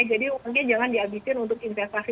jadi uangnya jangan dihabiskan untuk investasi